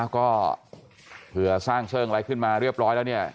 ก็เผื่อสร้างเชิงอะไรขึ้นมาเรียบร้อยแล้วเนี่ย